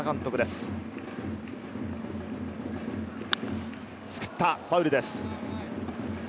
すくった、ファウルです。